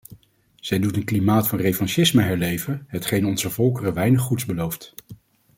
Zij doet een klimaat van revanchisme herleven, hetgeen onze volkeren weinig goeds belooft.